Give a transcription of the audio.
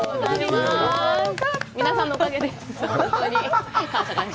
皆さんのおかげです。感謝、感謝！